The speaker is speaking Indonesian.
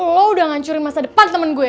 lo udah ngancurin masa depan temen gue